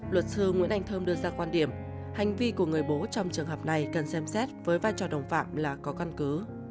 luật sư nguyễn anh thơm đưa ra quan điểm hành vi của người bố trong trường hợp này cần xem xét với vai trò đồng phạm là có căn cứ